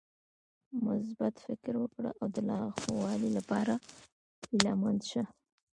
مثبت فکر وکړه او د لا ښوالي لپاره هيله مند شه .